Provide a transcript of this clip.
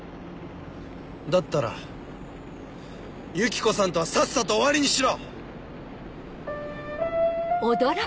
だったらユキコさんとはさっさと終わりにしろ！